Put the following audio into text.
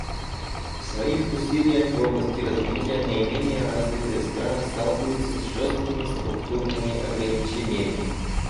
В своих усилиях в области развития наименее развитые страны сталкиваются с жесткими структурными ограничениями.